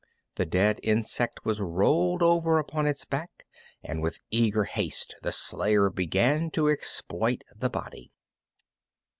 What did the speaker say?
The dead insect was rolled over upon its back, and with eager haste the slayer began to exploit the body.